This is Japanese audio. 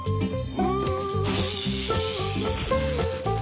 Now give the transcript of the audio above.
うん？